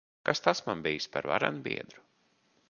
Kas tas man bijis par varenu biedru!